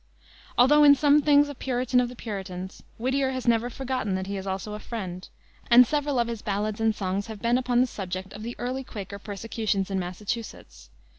Although in some things a Puritan of the Puritans, Whittier has never forgotten that he is also a Friend, and several of his ballads and songs have been upon the subject of the early Quaker persecutions in Massachusetts.